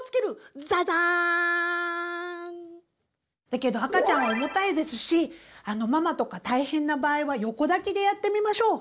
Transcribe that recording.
だけど赤ちゃん重たいですしママとか大変な場合は横抱きでやってみましょう。